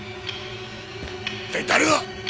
一体誰だ？